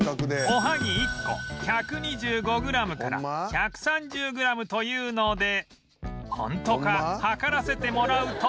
おはぎ１個１２５グラムから１３０グラムというのでホントか量らせてもらうと